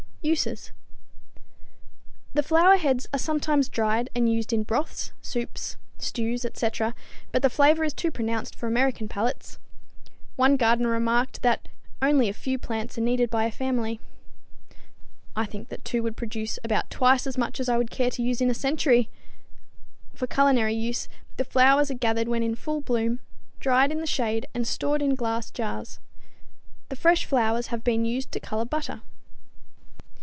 Uses. The flower heads are sometimes dried and used in broths, soups, stews, etc., but the flavor is too pronounced for American palates. One gardener remarked that "only a few plants are needed by a family." I think that two would produce about twice as much as I would care to use in a century. For culinary use the flowers are gathered when in full bloom, dried in the shade and stored in glass jars. The fresh flowers have often been used to color butter.